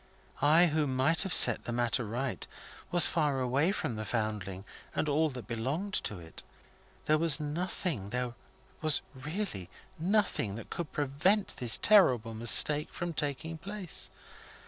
I, who might have set the matter right, was far away from the Foundling and all that belonged to it. There was nothing there was really nothing that could prevent this terrible mistake from taking place.